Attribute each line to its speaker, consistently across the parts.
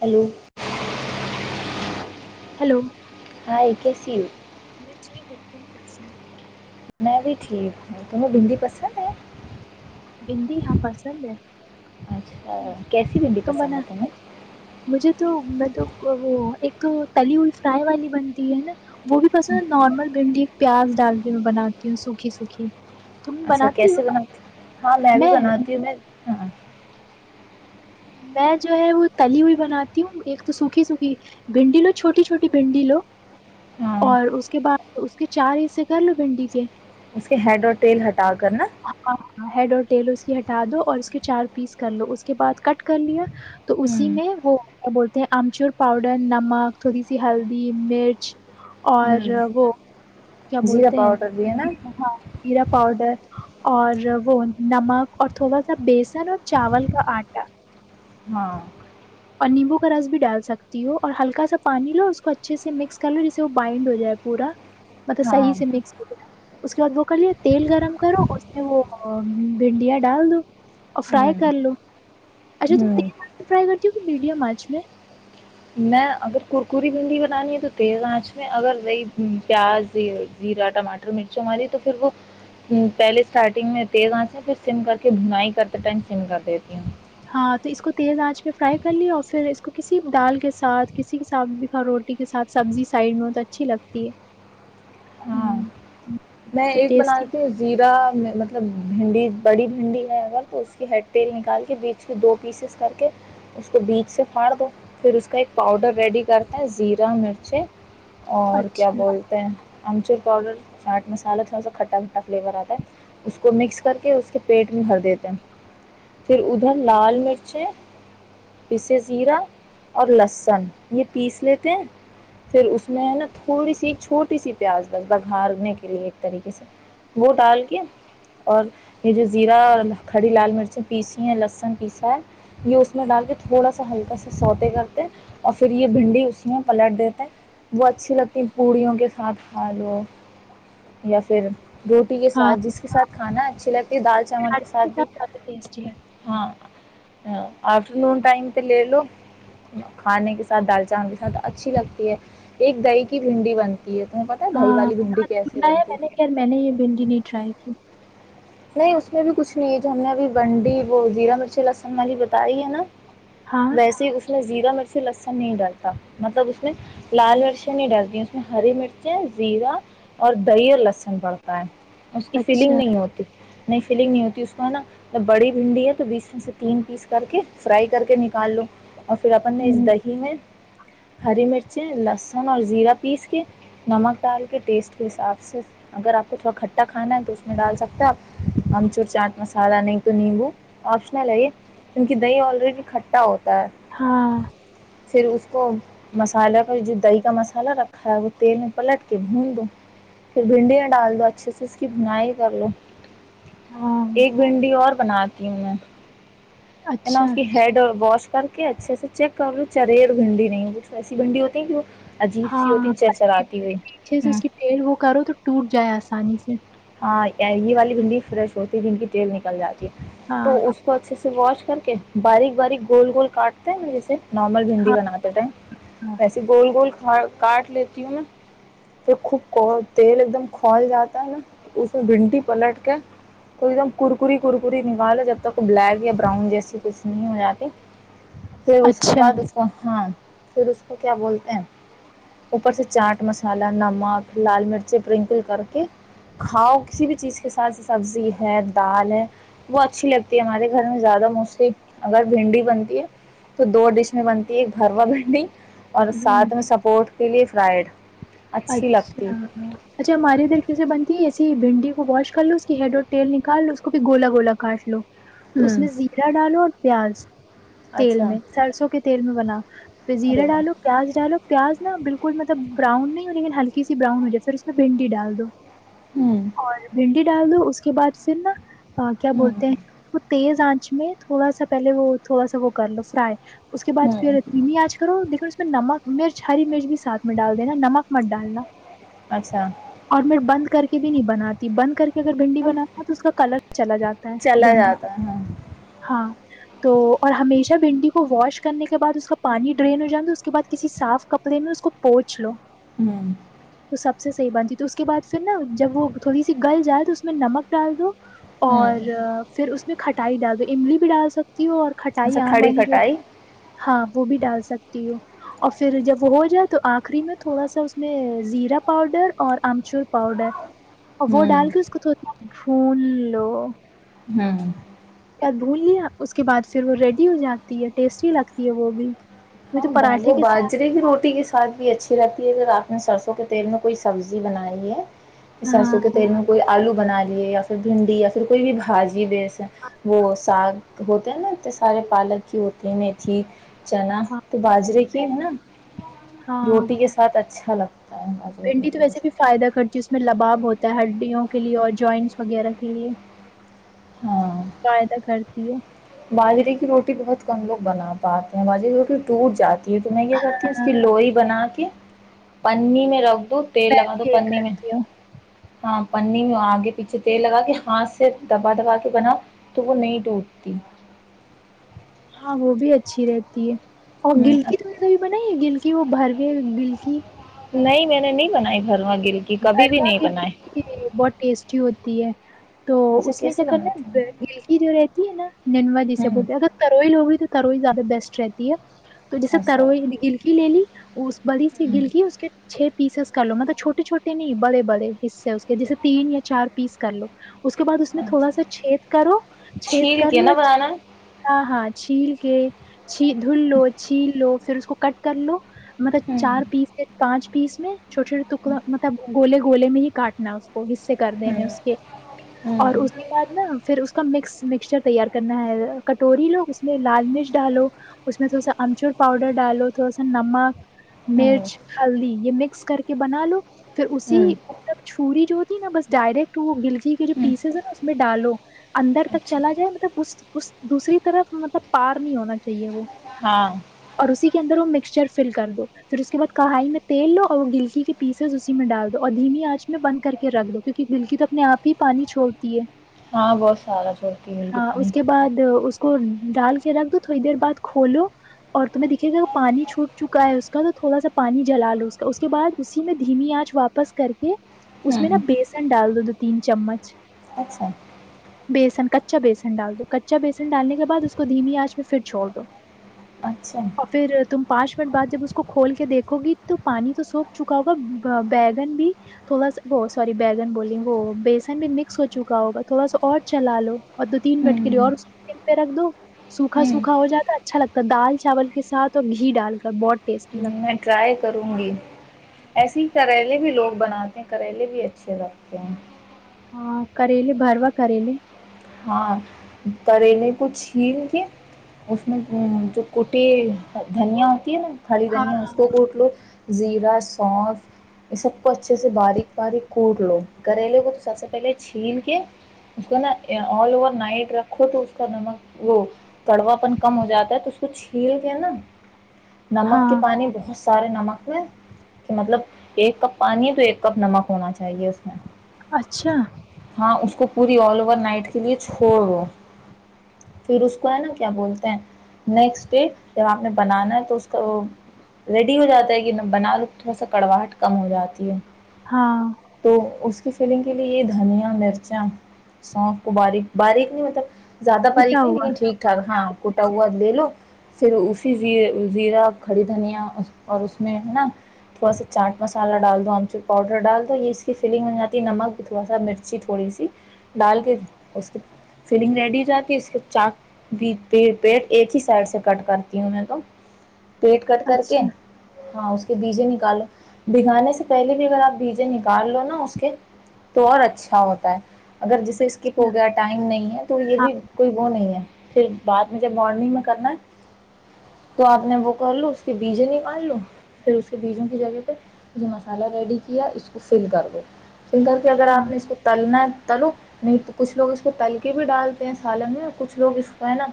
Speaker 1: Hello
Speaker 2: hello
Speaker 1: guy کےسییو
Speaker 2: میں چٹھییک ہو تم کیسی ہووں
Speaker 1: میں بھی ٹھیک ہوں تہیں بندی پسند ہے
Speaker 2: بندی یہاں پسند ہے
Speaker 1: اچھا کیسی بھنڈی
Speaker 2: تو میں
Speaker 1: پسند
Speaker 2: نے
Speaker 1: ہے تمہیں
Speaker 2: مجھے تو میں تو وہ ایک تو تلیول فرائی والی بنتی ہے نا وہ بھی
Speaker 1: ہاں،
Speaker 2: پسند نارمل بھنڈی پیاز ڈال کے بناتی ہوں سوکھی سوکھی تم
Speaker 1: اچھا
Speaker 2: بناتی ہو
Speaker 1: کیسے وہاں [unintelligible] ہاں میں بھی بناتی ہوں میں [unintelligible] ہاں [unintelligible]
Speaker 2: میں جو ہے وہ تلی ہوئی بناتی ہوں ایک تو سوکھی سوکھی بھنڈی لو چھوٹی چھوٹی بھنڈی لو
Speaker 1: ہاں
Speaker 2: اور اس کے بعد اس کے چار حصے کر لو بھنڈی کے
Speaker 1: اس کے ہیڈ اور تیل ہٹا کر نا
Speaker 2: ہاں ہیڈ اور ٹیل اس کی ہٹا دو اور اس کے چار پیس کر لو اس کے بعد کٹ کر لیا تو اسی
Speaker 1: ہوں
Speaker 2: میں وہ کیا بولتے ہیں آمچور پاؤڈر نمک تھوڑی سی ہلدی مرچ اور
Speaker 1: ہوں
Speaker 2: وہ [unintelligible] کیا
Speaker 1: زیرہ
Speaker 2: بولتے ہیں
Speaker 1: پاؤڈر بھی ہے نا
Speaker 2: ہاں ہیرا پاؤڈر اور وہ نمک اور تھوڑا سا بیسن اور چاول کا آٹا
Speaker 1: ہاں [unintelligible]
Speaker 2: اور نیمبو کا رس بھی ڈال سکتی ہو اور ہلکا سا پانی لو اور اس کو اچھے سے مکس کر لو جسے وہ بائنڈ ہو جائے پورا مطلب صحی
Speaker 1: ہاں
Speaker 2: سے مس [unintelligible] اس کے بعد وہ کر لیا تیل گرم کرو اس میں وہ بھنڈیاں ڈال دو اور فرائی
Speaker 1: ہوں
Speaker 2: کر لو اچھا تم
Speaker 1: ہوں
Speaker 2: تیل فرائی کر کیکہ میڈیم آج میں [unintelligible]
Speaker 1: میں اگر کرکری بھنڈی بنانی ہے تو تیز آنچ میں اگر وہی پیاز زیرہ ٹماٹر مرچ ہماریی تو پھر وہ پہلے اسٹارٹنگ میں تیز آنچ میں پھر سم کر کے بنائی کرتے ٹائم سم کر دیتی ہوں
Speaker 2: ہاں تو اس کو تیل آنچ پہ فرائی کر لیا اور پھر اس کو کسی دال کے ساتھ کسی کے ساتھ بھی روٹی کے ساتھ سبزی سائڈ میں تو اچھی لگتی ہے
Speaker 1: ہاں
Speaker 2: ہ
Speaker 1: میں
Speaker 2: تو
Speaker 1: ایک بنا
Speaker 2: ٹیسٹی
Speaker 1: لییتی ہوں زیرا مطلب بھنڈی بڑی بھنڈی ہے اگر تو اس کی ہیڈ تیل نکال کے بیچ کے دو پیسز کر کے اس کو بیج سے پھاڑ دو پھر اس کا ایک پاؤڈر ریڈی کرتے ہیں زیرہ مرچیں [unintelligible] اور کیا
Speaker 2: اچھا
Speaker 1: بولتے ہیں ہممچ پؤڈر س [unintelligible] مسالہ تھوڑا سا کھٹا کھٹا فلیور آتا ہے اس کو مکس کر کے اس کے پیٹ میں بھر دیتے ہیں پھر ادھر لال مرچیں پیسے زیرہ اور لہسن یہ پیس لیتے ہیں پھر اس میں ہے نا تھوڑی سی چھوٹی سی پیاز دس بگھارنے کے [unintelligible] کے لیے ایک طریقے سے وہ ڈال کے اور یہ جو زیرہ اور کھڑی لال مرچیں پیسی ہیں لہسن پیسا ہے یہ اس میں ڈال کے تھوڑا سا ہلکا سا سوتے کرتے ہیں اور پھر یہ بھنڈی اس میں پلٹ دیتے ہیں وہ اچھی لگتی ہے پوڑیوں کے ساتھ ہ لو [unintelligible] یا پھر [unintelligible] روٹی کے
Speaker 2: ہاں
Speaker 1: ساتھ جس کے ساتھ کھانا اچھی لگتی ہے دال چاول کے
Speaker 2: پراٹھے
Speaker 1: ساتھ بھی
Speaker 2: زیادہ ٹیسٹی لگتی ہوں
Speaker 1: ہاں آفٹر نون ٹائم پہ لے لو کھانے کے ساتھ دال چاول کے ساتھ اچھی لگتی ہے ایک دہی کی بھنڈی بنتی [unintelligible] ج تم پتہ ڈھائی و والی دمڈیک کے [unintelligible]
Speaker 2: نہ میں نے خیر میں نے یہ بھنڈی نہیں ٹرائی کی [unintelligible]
Speaker 1: نہیں اس میں بھی کچھ نہیں ہے جو ہم نے ابھی بنڈی وہ زیرا مرچی لسن والی بتائی ہے نا
Speaker 2: ہاں
Speaker 1: ویسے ہی اس میں [unintelligible] زیرا مرچی لہسن نہیں ڈلتا مطلب اس میں لال مرچیں نہیں ڈالتی اس میں ہری مرچیں زیرا اور دہی اور لہسن پڑتا ہے [unintelligible] اس کی فیلنگ
Speaker 2: اچھا
Speaker 1: نہیں ہوتی [unintelligible] نہیںئی فیلنگ نہیں ہوتی اس کو ہے نا بڑی بھنڈی ہے تو بیس م سے تین پیس کر کے فرائی کر کے نکال لو اور پھر اپن اس
Speaker 2: ہوں
Speaker 1: دہی میں ہری مرچی ل لہسن اور زیرہ پیس کے نمک ڈال کے ٹیسٹ کے حساب سے اگر آپ کو تھوڑا کھٹا کھانا ہے تو اس میں ڈال سکتے ہیں آپ ہم چ چاٹ مسالہ نہیں تو نیبو آپشنل ہے یہ کیونک دہی آلریڈی ککھھٹا ہوتا ہے
Speaker 2: ہاں [unintelligible]
Speaker 1: پھر اس کو مسالحہ کا جو دہی کا مسالہ رکھا ہے وہ تیل میں پلٹ کے بھون دو پھر بھنڈیاں ڈال دو اچھے سے اس کی بنائی کر لو
Speaker 2: ہاں
Speaker 1: ایک بھنڈی اور بناتی ہوں میں نا اس
Speaker 2: اچھا
Speaker 1: کی ہیڈ اور واش کر کے اچھے سے چیک کر لو چر اور بھنڈی نہیں کچ ایسی بھنڈی ہوتی ہے جو
Speaker 2: ہاں پیچھے سے
Speaker 1: ہوں
Speaker 2: اس کی پڑ وہ کرو تو ٹوٹ جائے آسانی سے
Speaker 1: ہاں یہ والی گنڈی ش ہوتی جن کی تیل نکل جاتی ہے
Speaker 2: ہاں
Speaker 1: تو اس کو اچھے واش کر کے باریک باریک گول گول کاٹتے ہیں مجھے سے نارمل بھنڈی
Speaker 2: ہاں
Speaker 1: بناتے تھے
Speaker 2: ہاں
Speaker 1: ویسے گول گول کاٹ لیتی ہوں نا پھر خوب تیل ایک دم کھول جاتا ہے نا اس بھنٹی پلٹ کر تو ایک دم کرکریی کرکری نکالو جب تک وہ بلیک یا براؤن جیسی کچھ نہیں ہو جاتی پھر اس کے
Speaker 2: اچھا
Speaker 1: بعد اس کو ہاں پھر اس کو کیا بولتے ہیں اوپر سے چاٹ مسالہ نمک لال مرچ بنکل کر کے کھاؤ کسی بھی چیز کے ساتھ سبزی ہے دال ہے وہ اچھی لگتی ہے ہمارے گھر میں زیادہ موسٹلی اگر بھنڈی بنتی ہے تو دو ڈش میں بنتی ہے ایک بھروا بھنڈی اور
Speaker 2: ہوں
Speaker 1: ساتھ میں سپورٹ پلی فرائڈ اچھی لگتی
Speaker 2: اچھا اچھا ہماری ادھر کیسے بنتی ہے اس بھنڈی کو واش کر لو اس کی ہیڈ اور تیل نکالو اس کو بھی گولا گولا کاٹ لو تو اس
Speaker 1: ہوں
Speaker 2: میں زیرہ ڈالو پیاز تیل
Speaker 1: اچھا
Speaker 2: میں سرسو کتنے تیل میں بنا پ
Speaker 1: ارے
Speaker 2: زیرہ ڈالو
Speaker 1: واہ
Speaker 2: پیاز ڈالو پیاز نہا بالکل مطلب براؤن نہیں یکن ہلکی براؤن ہو جائے پھر اس میں بھنڈی ڈال دو
Speaker 1: ہوں
Speaker 2: اور بھنڈی ڈال دو اس کے بعد پھر نا ہاں کیا بولتے ہیں
Speaker 1: ہوں
Speaker 2: اس کو تیز آ تھوڑا سا پہلے وہ تھوڑا سا وہ کر لو فرائی اس کے بعد
Speaker 1: ہوں
Speaker 2: پھر ممی آج کرو دیکھو نمک مرچ ہری مرچ بھی ساتھ میں ڈال دینا نمک [inaudible]
Speaker 1: اچھا
Speaker 2: اور میں بند کر کے بھی نہیں بناتی بند کر کے اگر بھنڈی
Speaker 1: اب
Speaker 2: بنا ہے تو اس کا کلر چلا جاتا ہے
Speaker 1: چلا
Speaker 2: بھنڈی کا
Speaker 1: جاتا ہے ہاں
Speaker 2: ہاں تو اور ہمیشہ بھنڈی کو واش کرنے کے بعد اس کا پانی ڈرین ہو جانا اس کے بعد کسی صاف کپڑے میں اس کو پوچھ لو
Speaker 1: ہوں
Speaker 2: تو سب سے صحی بنتی تو اس کے بعد پھر نا جب وہ تھوڑی سی گل جائے تو اس میں نمک ڈال دو
Speaker 1: ہوں
Speaker 2: اور پھر اس میں کھٹ ٹائی ڈال دو املی بھی ڈال سک اور کھٹائی
Speaker 1: اچھا
Speaker 2: آم
Speaker 1: کھڑی
Speaker 2: والی جو
Speaker 1: کھٹائی
Speaker 2: ہاں وہ بھی ڈال سکتی اور پھر جب وہ ہو جائے تو آخری میں تھوڑا سا اس میں زیرا پاؤڈر اور آمچور پاؤڈر اور وہ
Speaker 1: ہوں
Speaker 2: ڈال کے اس کو تھوڑا سا بھول ہیلو
Speaker 1: ہاں
Speaker 2: بھول لیا اس کے بعد پھر وہ ریڈی ہو جاتی ہے ٹیسٹی لگتی ہے وہ بھی وہ
Speaker 1: ہاں
Speaker 2: تو
Speaker 1: ب
Speaker 2: پراٹھے
Speaker 1: وہ
Speaker 2: کے ساتھ
Speaker 1: باجرے کی روٹی کے ساتھ بھی اچھی ر یہ اگر آپ نے سرسوں کے تیل میں کوئی سبزی بنائی ہے
Speaker 2: ہاں
Speaker 1: سرسوں کے تیل میں کوئی آلو بنا لیے یا پھر بھنڈی یا پھر کوئی بھی بھاجی وہ ساگ ہوتے ہیں نا سارے پالک ہی ہوتے ہیں تھی
Speaker 2: ہاں
Speaker 1: تو باجرے کی ہے نا
Speaker 2: ہاں
Speaker 1: روٹی کے ساتھ اچھا ہلو
Speaker 2: بھنڈی تو ویسے بھی فائدہ کرتی ہے اس میں لباب ہوتا ہے ہڈیوں کے لیے اور جوائنٹس وغیرہ کے لیے
Speaker 1: ہاں
Speaker 2: کاائے تھا خرچ تی ہے
Speaker 1: باجرے کی روٹی بہت کم لوگ بنا پاتے ہیں باجرے کی روٹی ٹوٹ جاتی یہ تو میں کیا کرتی ہوں اس کی لوئی بنا کے پنی میں رکھ دو تیل لگا دو
Speaker 2: یہی
Speaker 1: پنی میں
Speaker 2: کرتی ہوں
Speaker 1: ہاں پ آگے پیچھے تل لگا کے ہاتھ سے دبا دبا کے بنا تو وہ نہیں ٹوٹتی
Speaker 2: ہاں وہ بھی اچھی رہتی ہے اور
Speaker 1: ہوں
Speaker 2: گلکی تم نے کبھی بناائی ہے گلکی وہ بھر یہ بلکی
Speaker 1: نہیں میں نے نہیں بنائی بھرم
Speaker 2: گرما گ بہت ٹیسٹی ہوتی تی ہے تو
Speaker 1: اچھا
Speaker 2: اس میں کیا
Speaker 1: کیسے
Speaker 2: کرنا
Speaker 1: بناتے
Speaker 2: ہے
Speaker 1: ہیں
Speaker 2: گلکی جو رہتی ہے نا نینوا جسے
Speaker 1: ہوں
Speaker 2: بولتے ہیں اگر تروئی ل ہوگئی تو تروئی زیادہ بیسٹ رہتی ہے [unintelligible] تو جیسے
Speaker 1: اچھا
Speaker 2: تروئی نے گرفی لے لی [unintelligible] اس بڑی سی گل کی اس کے چپ [unintelligible] پیس کل مطلبھوے چھوے [unintelligible] نہیں بڑے بڑے حصے ہیں اس کے جیسے تین یا چار پیس کر لو [unintelligible] اس کے بعد اس میں
Speaker 1: ہ
Speaker 2: تھوڑا سا چھید کرو چھید
Speaker 1: چھیل
Speaker 2: کر
Speaker 1: کے
Speaker 2: لو
Speaker 1: نا
Speaker 2: اچھا
Speaker 1: بنانا ہے؟
Speaker 2: ہاں ہاں چھیل کے [unintelligible] چھی دن لو چھین لو [unintelligible] پھر اس کو کٹ کر لو [unintelligible] مطلب
Speaker 1: ہوں
Speaker 2: چار پیس کے پانچ [unintelligible] پیس میں [unintelligible] چھوے چوٹکا [unintelligible] گوولے گوول میں ہی کاٹنا ہے اس کو [unintelligible] حے کر دینے
Speaker 1: ہوں
Speaker 2: اس کے
Speaker 1: ہوں
Speaker 2: اور اس کے بعد نا پھر اس کا مکس م [unintelligible] مکسچر تیار کرنا ہے کٹوری لو اس میں لال مرچ ڈالو اس میں تھوڑا سا امچور پاؤڈر ڈالو تھوڑا سا نمک [unintelligible]
Speaker 1: ہوں
Speaker 2: مرچ ہلدی یہ م [unintelligible] مکس کر کے بنا لو [unintelligible] پھر اسی
Speaker 1: ہوں
Speaker 2: مطلب چھریی جو [unintelligible] نا بس ڈائریکٹ وہ گلجی کے جو
Speaker 1: ہوں
Speaker 2: پیسز ہے نا اس میں ڈالو اندر تک
Speaker 1: اچھا
Speaker 2: چلا جائے مطلب اس دوسری طرف مطلب پار نہیں ہونا چاہیے وہ [unintelligible]
Speaker 1: ہاں [unintelligible]
Speaker 2: اور اسی اندر وہ مکسچر فل کر دو پھر اس کےعد کڑھائی میں تیل لو اور وہ گلکی کے پیس [unintelligible] اسی میں ڈال دو اور دھیمی آنچ میں بند کر کے رکھ دو کیونکہ دل کی تو اپنے آپ ہی پانی چھوڑتی ہے [unintelligible]
Speaker 1: ہاں بہت سارا چوتی مل گ
Speaker 2: ہاں
Speaker 1: پانی
Speaker 2: اس کے
Speaker 1: [unintelligible]
Speaker 2: بعد اس کو ڈال کے رکھ دو تھوڑی دیر بعد کھولو اور تمہیں دیکھیے گا پانی چھوٹ چکا ہے اس کا تو تھوڑا سا پانی جلا لو اس کا اس کے بد اس [unintelligible] دھیمی آنچ واپس کر کے اس میں نا
Speaker 1: ہوں
Speaker 2: بیسن ڈال دو دو تین چمچ
Speaker 1: اچھا
Speaker 2: بیسن کچا بیسن ڈال دو کچا بیسن ڈالنے کے بعد اس کو دھیمی آنچ میں پھر چھوڑ دو [unintelligible]
Speaker 1: اچھا
Speaker 2: اور پھر تم [unintelligible] پانچ منٹ بعد جب اس کو کھول کے دیکھو گی تو پانی تو سوپ [unintelligible] چکا ہوگا بیگن بھی تھوڑا سا وہ سوری بیگن بول وہ بیسن بھی مکس ہو چکا ہوگا تھوڑا سا اور چلا لو اور دو تین منٹ کے لیے
Speaker 1: ہوں
Speaker 2: اور اس کو تل پہ رکھ دو سوکھا
Speaker 1: ہوں
Speaker 2: سوکھا ہو جاتا اچھا لگتا ہے دال چاول کے ساتھ اور گھی ڈال کر بہت ٹیسٹ [unintelligible]
Speaker 1: میں ٹرائی کروں گی [unintelligible] ایسے ہی کریلے بھی لوگ بناتے ہیں کریلے بھی اچھے رکھتے ہیں [unintelligible]
Speaker 2: ہاں کریل بروا کریل [unintelligible]
Speaker 1: ہاں کریلے کو چھین کے اس میں جو کوٹی دھنیا ہوتی ہے نا [unintelligible] کھڑی
Speaker 2: ہاں
Speaker 1: دنی ہے اس
Speaker 2: ہاں
Speaker 1: کو کووٹ لو [unintelligible] زیرہ سونف یہ سب کو اچھے سے باریک باریک کوٹ لو کرلے کو تو سب سے پہلے چھین کے اس کو نا [unintelligible] آل اوور نائٹ رکھو تو اس کا نمک وہ تڑوا پن کم ہو جاتا ہے تو اس کو چھیل کے نا [unintelligible] نمک کے
Speaker 2: ہاں
Speaker 1: پانی بہت [unintelligible] سارے نمک میں کہ مطلب ایک کپ پانی ہے تو ایک کپ نمک ہونا چاہیے اس [inaudible]
Speaker 2: اچھا [inaudible]
Speaker 1: ہاں اس کو پوری آل اوور نائٹ [inaudible] کے لیے چوڑو [inaudible] پھر اس کو ہے نا کیا بولتے ہیں نیکسٹ ڈے جب آپ نے بنانا ہے تو اس کا وہ ریڈی ہو جاتا ہے کہ بنا لو تھوڑا سا کڑواہٹ کم ہو جاتی ہے
Speaker 2: ہاں
Speaker 1: [inaudible] تو اس [inaudible] اس کی فیلنگ کے لیے یہ دھنیا مرچیں سونف [inaudible] وہ باریک باریک نہیں مطلب [inaudible] زیادہ
Speaker 2: کٹا
Speaker 1: باریک نہیں
Speaker 2: ہوا
Speaker 1: لیکن ٹھیک ٹھاک ہاں کوٹا ہوا لے لو پھر اسی زیر زیرہ کھڑی دھنیا اور اس میں ہے نا تھوڑا سا چاٹ مسالہ ڈال دو آمچور پاؤڈر ڈال دو یہ اس کی فیلنگ ہو جاتی ہے نمک بھی تھوڑا سا مرچی تھوڑی سی ڈال کے اس کی فلنگ ریڈی ہو جاتی اس کے چاک بھی پی ایک ہی سائڈ سے کٹ کرتی ہوں میں تو [inaudible] پیٹ کٹ کر کے
Speaker 2: اچھا
Speaker 1: ہاں اس بیجے نکالو بھگانے سے پہلے بھی اگر آپ بیجے نکال لو نا اس کے تو اور اچھا ہوتا ہے اگر جسے اسکپ
Speaker 2: اچھا
Speaker 1: ہو گیا ٹائم نہیں ہے تو یہ
Speaker 2: ہاں
Speaker 1: بھی کوئی وہ نہیں ہے پھر بعد میں جب مارننگ میں کرنا ہے تو آپ نے وہ کر لوں اس کے بیجیں نکال لوں پھر اس کے بیجوں کی جگہ پہ مھے مسالہ ریڈی کیا اس کو فل کر دو [inaudible] سن کر کے اگر
Speaker 2: ہاں
Speaker 1: آپ نے اس کو تلنا تلو نہیں تو [inaudible] کچھ لوگ اس کو تل کے بھی ڈالتے ہیں سالن میں کچھ لوگ اس کو ہے نا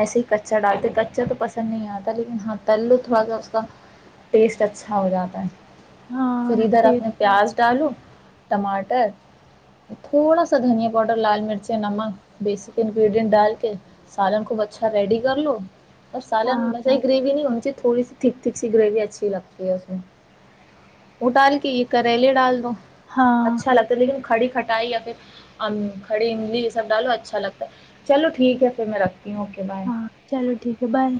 Speaker 1: ایسے ہی کچا ڈالتے ہیں کچا تو پسند نہیں آتا لیکن ہاں تل لو تھوڑا سا اس کا ٹیسٹ اچھا ہو جاتا ہے پھر
Speaker 2: ہاں
Speaker 1: ادھر
Speaker 2: ٹھیک
Speaker 1: اپنے پیاز الو ٹماٹر تھوڑا سا دھنیا پاؤڈ لال مرچ نمک بیسک انگریڈینٹ ڈال کے سالن خوب اچھا ریڈی کر لو اور سالن
Speaker 2: ہاں
Speaker 1: ویسے ہی گریبی نہیں ہ مجھے تھوڑی سی تھک تھک سی گریوی اچھی لگتی ہے اس میں وہ ڈال کے یہ کریلے ڈال دو
Speaker 2: ہاں
Speaker 1: اچھا لگتا ہے لیکن کھڑی کٹائی یا پھر کھی املی یہ سب ڈالو اچھا لگتا ہے چلو ٹھیک ہے پھر میں رکھ ہوں اوکے
Speaker 2: ہاں
Speaker 1: بائے
Speaker 2: چلو ٹھیک ہے بائے